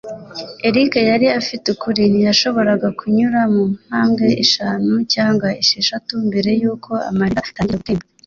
Eric yari afite ukuri; ntiyashoboraga kunyura mu ntambwe eshanu cyangwa esheshatu mbere yuko amarira atangira gutemba.